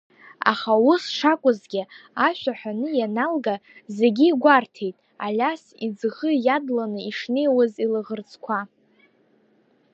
Аха ус шакәызгьы ашәа ҳәаны ианалга зегьы игәарҭеит Алиас иӡӷы иадланы ишнеиуаз илаӷырӡқәа…